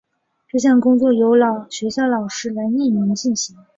这项工作由学校老师来匿名进行。